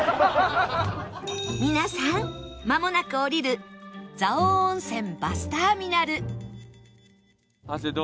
皆さんまもなく降りる蔵王温泉バスターミナルハセどう？